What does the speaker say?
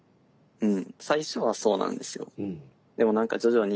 うん。